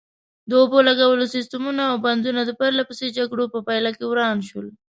د اوبو لګولو سیسټمونه او بندونه د پرلپسې جګړو په پایله کې وران شول.